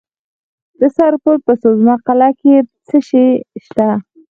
د سرپل په سوزمه قلعه کې څه شی شته؟